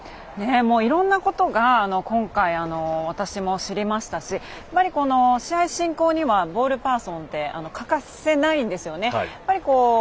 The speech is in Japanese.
いろんなことが今回、私も知りましたし試合進行にはボールパーソンって欠かせないんですよね。